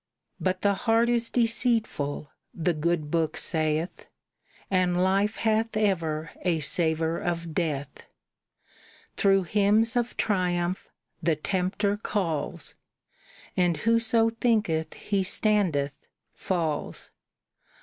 But the heart is deceitful, the good Book saith, And life hath ever a savor of death. Through hymns of triumph the tempter calls, And whoso thinketh he standeth falls.